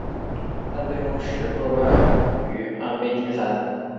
但最终石破败于安倍晋三。